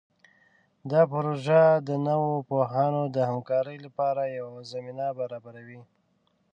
دا پروژه د نوو پوهانو د همکارۍ لپاره یوه زمینه برابروي.